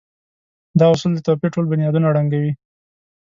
دا اصول د توپير ټول بنيادونه ړنګوي.